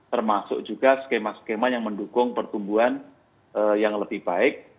dua ribu dua puluh satu termasuk juga skema skema yang mendukung pertumbuhan yang lebih baik